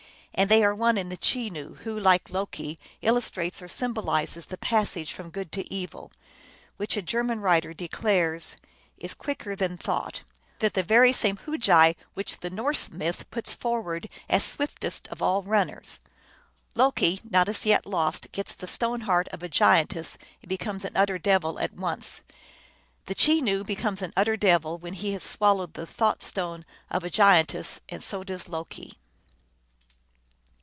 And they are one in the Chenoo, who, like Loki, illustrates or symbolizes the passage from good to evil, which a German writer declares is quicker than thought, or that very same Hugi which the Norse myth puts forwards as swiftest of all runners. Loki, not as yet lost, gets the stone heart of a giantess, and becomes an utter devil at once. The Chenoo becomes an utter devil when he has swallowed the thought stone of a giantess, and so does Loki.